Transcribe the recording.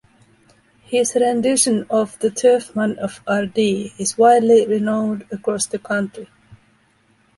His rendition of 'The Turfman of Ardee' is widely renowned across the country.